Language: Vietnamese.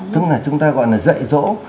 tức là chúng ta gọi là dạy dỗ